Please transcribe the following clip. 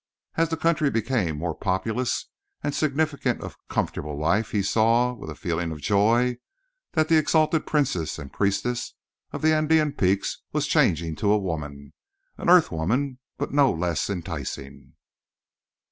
As the country became more populous and significant of comfortable life he saw, with a feeling of joy, that the exalted princess and priestess of the Andean peaks was changing to a woman—an earth woman, but no less enticing.